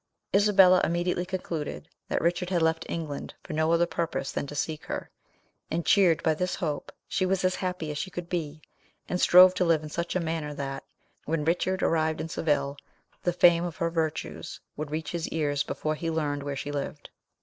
Isabella immediately concluded that Richard had left England for no other purpose than to seek her; and cheered by this hope, she was as happy as she could be, and strove to live in such a manner that, when Richard arrived in Seville, the fame of her virtues should reach his ears before he learned where she lived.